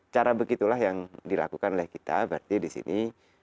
cara begitulah yang dilakukan oleh kita berarti di sini